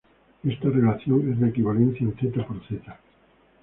Esta relación es de equivalencia en ℤ×ℤ.